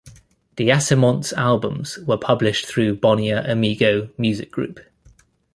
Deasismont's albums were published through Bonnier Amigo Music Group.